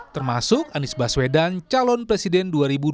termasuk anies baswedan calon presiden dua ribu dua puluh